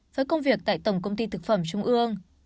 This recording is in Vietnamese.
với công việc tại tổng công ty thực phẩm trung ương